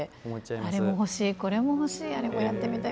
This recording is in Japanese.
あれも欲しい、これも欲しいあれもやってみたい